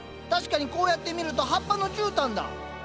確かにこうやって見ると葉っぱのじゅうたんだ。